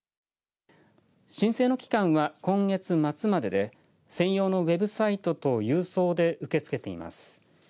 申請の期間は今月末までで専用のウェブサイトと郵送で受け付けています。